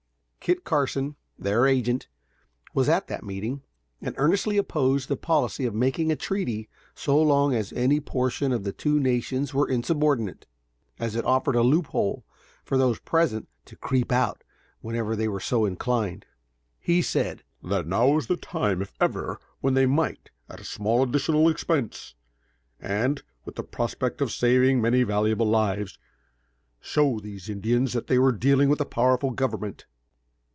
Kit Carson, their agent, was at the meeting, and earnestly opposed the policy of making a treaty so long as any portion of the two nations were insubordinate, as it offered a loop hole for those present to creep out whenever they were so inclined. He said, "that now was the time, if ever, when they might, at a small additional expense, and with the prospect of saving many valuable lives, show these Indians that they were dealing with a powerful government."